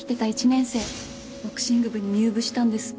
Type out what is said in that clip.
１年生ボクシング部に入部したんです。